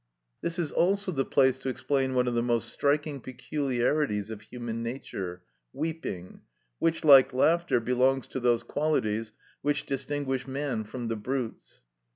This is also the place to explain one of the most striking peculiarities of human nature, weeping, which, like laughter, belongs to those qualities which distinguish man from the brutes.